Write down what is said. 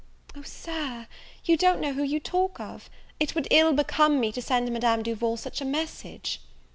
"O, Sir! you don't know who you talk of! it would ill become me to send Madame Duval such a message."